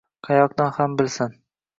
Qayoqdan ham bilsin